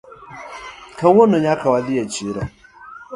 Kawuono nyaka wadhi e chiro